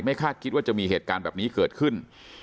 คาดคิดว่าจะมีเหตุการณ์แบบนี้เกิดขึ้น